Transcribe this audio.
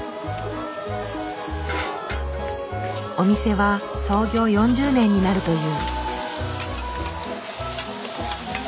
お店は創業４０年になるという。